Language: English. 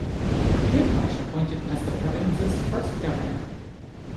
Whitmarsh appointed as the province's first governor.